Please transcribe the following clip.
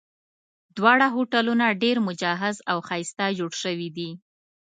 دواړه هوټلونه ډېر مجهز او ښایسته جوړ شوي دي.